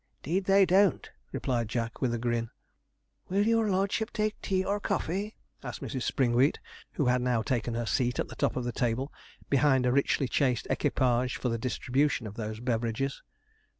''Deed they don't,' replied Jack, with a grin. 'Will your lordship take tea or coffee?' asked Mrs. Springwheat, who had now taken her seat at the top of the table, behind a richly chased equipage for the distribution of those beverages.